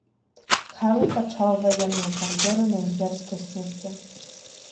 Карл пачаў ваенную кар'еру на імперскай службе.